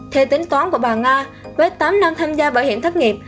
theo tính toán của bà nga với tám năm tham gia bảo hiểm thất nghiệp